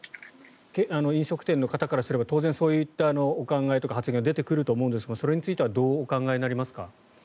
飲食店の方からすれば当然そういったお考えとか発言は出てくると思うんですがそれについてはどうお考えですか？